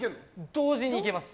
同時にいけます。